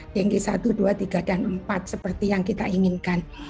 dengki satu dua tiga dan empat seperti yang kita inginkan